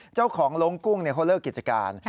เจ้าของลงกุ้งเขาเลิกกิจการ